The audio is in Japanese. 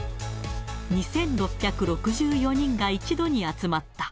２６６４人が一度に集まった。